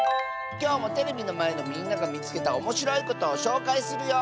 きょうもテレビのまえのみんながみつけたおもしろいことをしょうかいするよ！